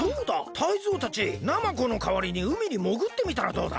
タイゾウたちナマコのかわりにうみにもぐってみたらどうだ？